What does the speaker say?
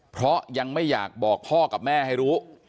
เพราะยังไม่อยากบอกพ่อกับแม่ให้รู้